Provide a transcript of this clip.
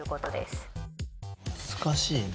難しいね。